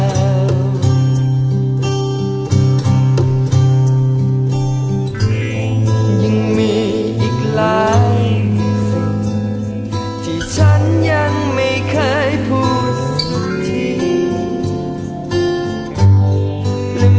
มันยังมีอีกหลายอย่างที่ฉันยังไม่เคยพูดถึง